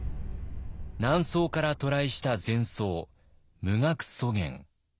南宋から渡来した禅僧無学祖元。